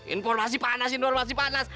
informasi panas informasi panas